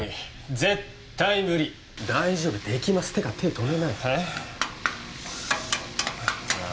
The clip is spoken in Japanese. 絶対無理大丈夫できますていうか手止めないえっ？